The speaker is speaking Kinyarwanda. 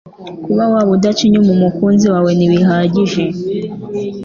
Kuba waba udaca inyuma umukunzi wawe ntibihagije